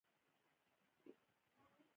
کالیداسا لوی شاعر او ډرامه لیکونکی و.